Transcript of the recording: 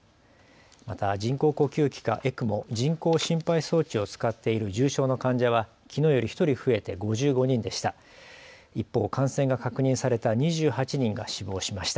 また人工呼吸器かＥＣＭＯ・人工心肺装置を使っている重症の患者はきのうより１人増えて５５人でした。